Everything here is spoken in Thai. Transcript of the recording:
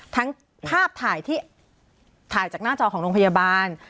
ทั้งภาพถ่ายที่ถ่ายจากหน้าจอของโรงพยาบาล